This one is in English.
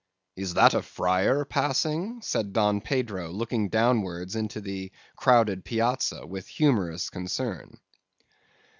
"'Is that a friar passing?' said Don Pedro, looking downwards into the crowded plazza, with humorous concern.